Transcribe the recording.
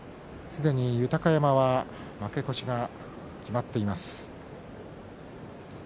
すでに豊山は負け越しが決まっています。